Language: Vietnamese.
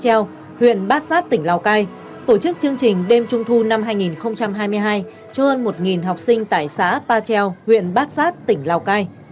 treo huyện bát sát tỉnh lào cai tổ chức chương trình đêm trung thu năm hai nghìn hai mươi hai cho hơn một học sinh tại xã pa treo huyện bát sát tỉnh lào cai